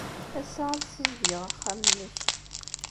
Ass-a, ad ssizedgeɣ taxxamt-nnek.